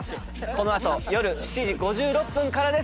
この後夜７時５６分からです。